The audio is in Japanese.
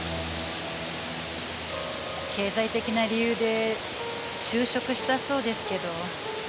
経済的な理由で就職したそうですけど。